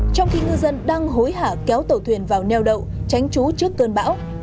trong khi ngư dân đang hối hả kéo tàu thuyền vào neo đậu tránh trú trước cơn bão